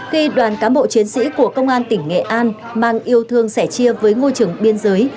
khi đoàn cán bộ chiến sĩ của công an tỉnh nghệ an mang yêu thương sẻ chia với ngôi trường biên giới